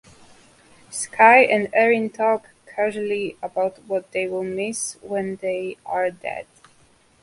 Sky and Erin talk casually about what they will miss when they are dead.